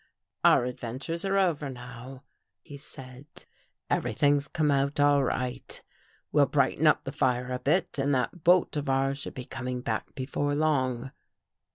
Our adventures are over now," he said. " Everything's come out all right. We'll brighten up the fire a bit and that boat of ours should be coming back before long."